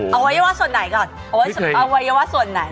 เอาวัยวะส่วนไหนก่อนอวัยวะส่วนไหน